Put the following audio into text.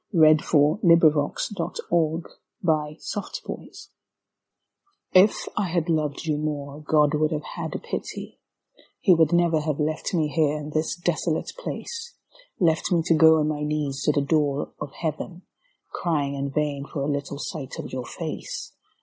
Vigils IF I HAD LOVED YOU MORE If I had loved you more God would have had pity; He would never have left me here in this desolate place, Left me to go on my knees to the door of Heaven Crying in vain for a little sight of your face.